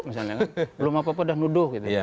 belum apa apa udah meluduh gitu